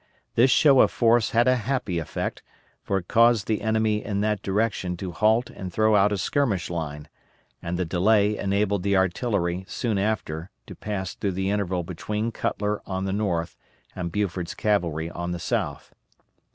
This show of force had a happy effect, for it caused the enemy in that direction to halt and throw out a skirmish line, and the delay enabled the artillery soon after to pass through the interval between Cutler on the north and Buford's cavalry on the south.